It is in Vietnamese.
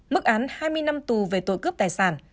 mức án hai mươi năm tù về tội cướp tài sản